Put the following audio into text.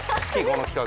この企画。